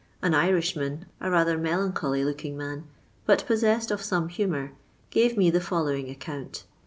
An Irishman, a rather melancholy looking man, but possessed of some humour, gave me the following account.